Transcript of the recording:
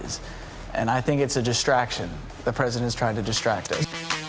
dan itu mencoba untuk membuat mereka tergantung